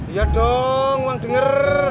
iya dong emang denger